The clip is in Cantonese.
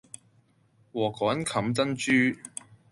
禾稈冚珍珠